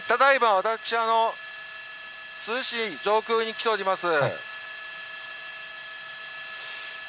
私は、珠洲市上空に来ております。